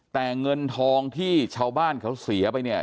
แต่เงินทองที่ชาวบ้านเขาเสียไปเนี่ย